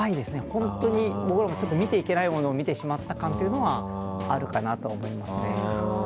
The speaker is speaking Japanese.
本当に、見てはいけないものを見てしまった感というのはあると思うかなという。